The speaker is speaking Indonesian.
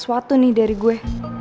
sesuatu nih dari gue